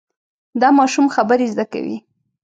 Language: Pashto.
دا ماشوم خبرې زده کوي.